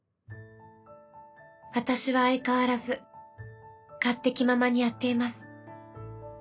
「私は相変わらず勝手気ままにやっています。